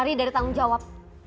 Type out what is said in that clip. kamu itu dari tanggung jawab